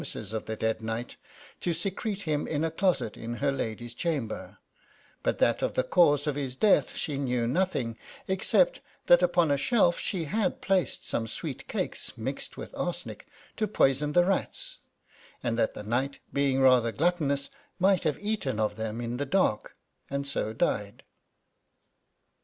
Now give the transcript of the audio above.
ises of the dead knight, to secrete him in a closet in her lady's chamber ; but that of the cause of his death she knew nothing, except that upon a shelf she had placed some sweet cakes, mixed with arsenic, to poison the rats, and that the ksight, being rather gluttonous, might have eaten of them in the dark, and so died.